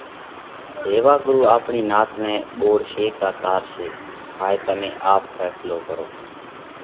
هيوا ڳرُو آپڻِي نات نئہ ٻوڙشي ڪا تارشي؟ هائي تمي آپ ڦينصلو ڪرو۔